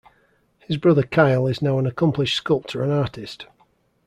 His brother Kyle is now an accomplished sculptor and artist.